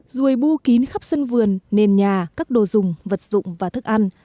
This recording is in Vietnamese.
ruồi bưu kín khắp sân vườn nền nhà các đồ dùng vật dụng và thức ăn